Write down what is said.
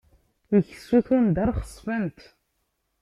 Ikessu tundar xeṣṣfent.